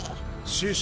師匠。